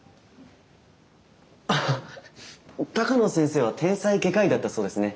ハハッ鷹野先生は天才外科医だったそうですね。